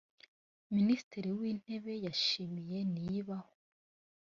Minisitiri w’Intebe yashimiye Niyibaho